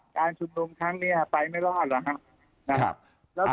การชุดยุ่งครั้งนี้ไปไม่รอดหรอครั้ง